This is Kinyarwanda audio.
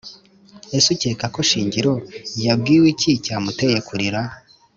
Ese ukekako Shingiro yabwiwe iki cyamuteye kurira?